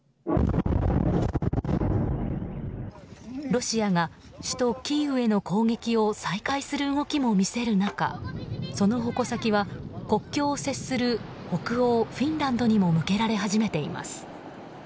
ロシアが首都キーウへの攻撃を再開する動きも見せる中その矛先は国境を接する北欧フィンランドにも向けられ始めています。